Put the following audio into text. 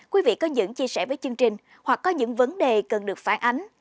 quý vị có những chia sẻ với chương trình hoặc có những vấn đề cần được phản ánh